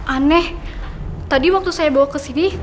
aneh tadi waktu saya bawa kesini